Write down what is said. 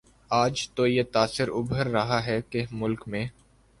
آج تو یہ تاثر ابھر رہا ہے کہ ملک میں